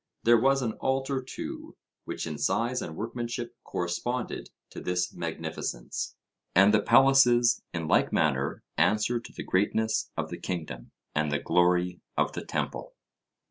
There was an altar too, which in size and workmanship corresponded to this magnificence, and the palaces, in like manner, answered to the greatness of the kingdom and the glory of the temple.